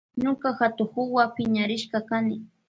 Ñuka hatukuwa piñarishka kani.